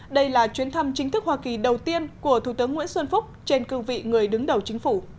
đây là chuyến thăm chính thức hoa kỳ đầu tiên của thủ tướng nguyễn xuân phúc trên cương vị người đứng đầu chính phủ